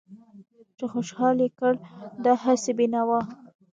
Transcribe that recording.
چې خوشحال يې کړ دا هسې بې نوا